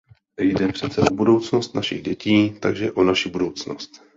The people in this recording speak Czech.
Jde přece o budoucnost našich dětí, takže o naši budoucnost.